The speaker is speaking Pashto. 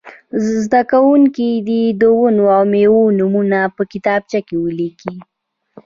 زده کوونکي دې د ونو او مېوو نومونه په کتابچه کې ولیکي.